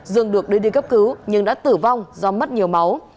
dương được đưa đi cấp cứu nhưng đã tử vong do mất nhiều máu